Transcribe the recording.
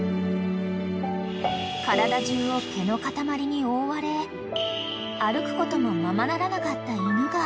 ［体中を毛の塊に覆われ歩くこともままならなかった犬が］